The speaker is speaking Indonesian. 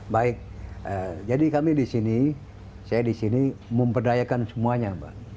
baik jadi kami di sini saya di sini memperdayakan semuanya